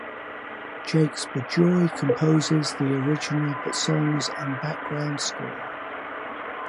Jakes Bejoy composes the original songs and background score.